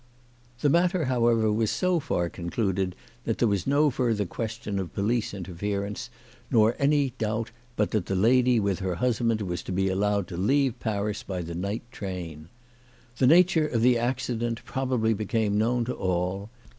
The matter, however, was so far concluded that there was no further question of police interference, nor any doubt but that the lady with her husband was to be allowed to leave Paris by the night train. The nature of the accident probably became known to all.